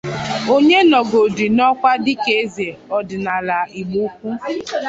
onye nọgodi n'ọkwa dịka eze ọdịnala Igboukwu